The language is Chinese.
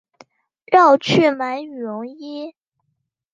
绕去买羽绒衣